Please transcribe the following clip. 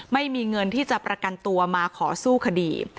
ไม่มีเงินที่จะประกันตัวมาขอสู้คดี